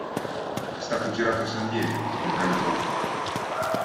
È stato girato a San Diego, in California.